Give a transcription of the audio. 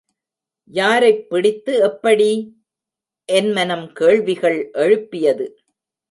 யாரைப் பிடித்து எப்படி..... என் மனம் கேள்விகள் எழுப்பியது.